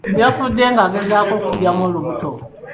Yafudde ng'agezaako okuggyamu olubuto.